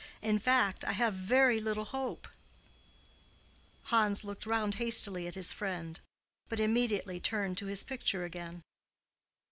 In fact, I have very little hope." Hans looked round hastily at his friend, but immediately turned to his picture again.